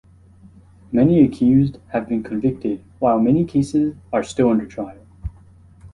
Many accused have been convicted while many cases are still under trial.